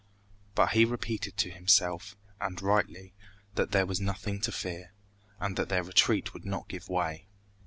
But he repeated to himself, and rightly, that there was nothing to fear, and that their retreat would not give way.